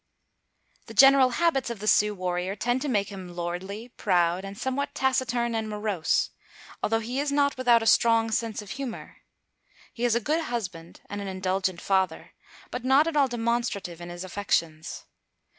The general habits of the Sioux warrior tend to make him lordly, proud, and somewhat taciturn and morose, although he is not without a strong sense of humor. He is a good husband and indulgent father, but not at all demonstrative in his affections.